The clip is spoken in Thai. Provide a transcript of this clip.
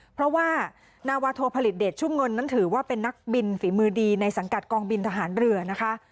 เพราะว่านาวาโทผลิตเดชชุ่มเงินนั้นถือว่าเป็นนักบินฝีมือดีในสังกัดกองบินทหารเรือนะคะ